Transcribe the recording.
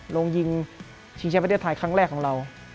ลงยิงชิงแชมป์ประเทศไทยครั้งแรกของเรา